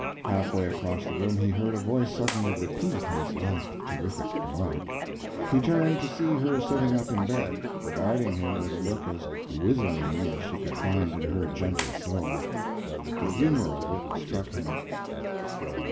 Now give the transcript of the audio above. Half way across the room he heard a voice suddenly repeat his last terrific remark. He turned to see her sitting up in bed, regarding him with a look as withering as she could find in her gentle soul. The humor of it struck him.